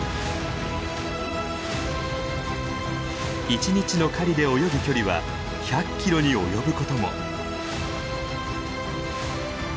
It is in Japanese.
一日の狩りで泳ぐ距離は１００キロに及ぶことも。